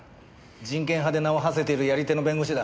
人権派で名を馳せているやり手の弁護士だ。